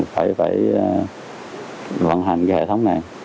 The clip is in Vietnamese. phải vận hành cái hệ thống này